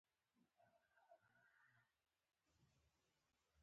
زه د علماوو درناوی کوم.